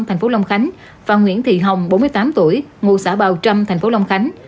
tp long khánh và nguyễn thị hồng bốn mươi tám tuổi ngủ xã bào trâm tp long khánh